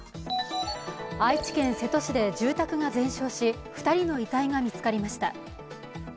愛知県瀬戸市で住宅が全焼し２人の遺体が見つかりました。